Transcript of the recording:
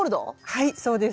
はいそうです。